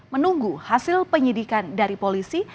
menunggu hasil penyidikan dari polisi